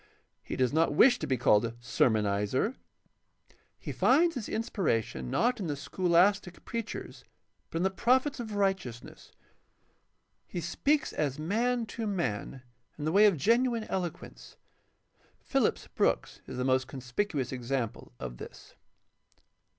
He does not wish to be called a sermonizer. He finds his inspiration, not in the scholastic preachers, but in the prophets of righteousness. He speaks as man to man in the way of genuine eloquence. Phillips Brooks is the most conspicuous example of this.